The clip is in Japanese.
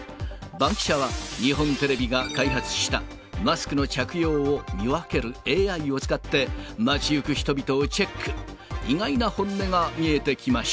バンキシャは日本テレビが開発した、マスクの着用を見分けるＡＩを使って、街行く人々をチェック。